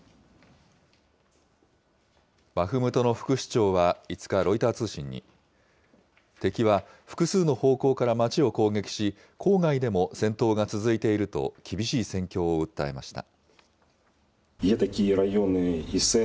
バフムトの副市長は５日、ロイター通信に、敵は複数の方向から街を攻撃し、郊外でも戦闘が続いていると、厳しい戦況を訴えました。